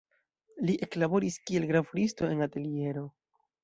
Li eklaboris kiel gravuristo en ateliero.